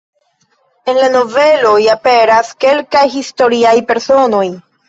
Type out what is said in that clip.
En la noveloj aperas kelkaj historiaj personoj.